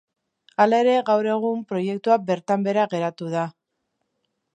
Hala ere, gaur egun proiektua bertan behera geratu da.